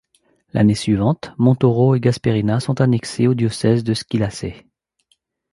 L'année suivante, Montauro et Gasperina sont annexés au diocèse de Squillace.